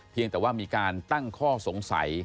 แต่ว่ามีการตั้งข้อสงสัย